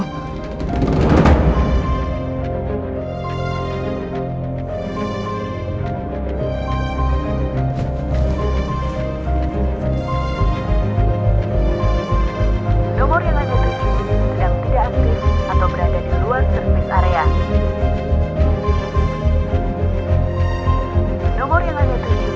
nomor yang hanya terkini